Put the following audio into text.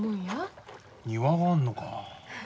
庭があんのか。